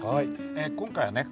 今回はね